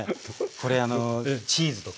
これチーズとか。